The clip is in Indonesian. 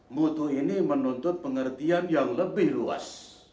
mutu ini menuntut pengertian yang lebih luas